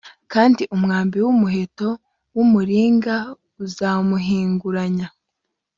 kandi umwambi w’umuheto w’umuringa uzamuhinguranya